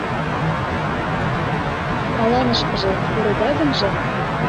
Аланышкыже пуреда гынже